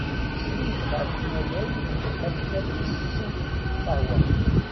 Srid ɣer tnawalt akken ad d-tessew lqahwa.